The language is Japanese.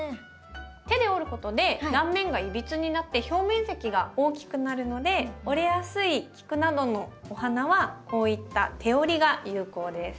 手で折ることで断面がいびつになって表面積が大きくなるので折れやすいキクなどのお花はこういった手折りが有効です。